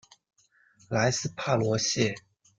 莱斯帕罗谢。